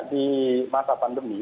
di masa pandemi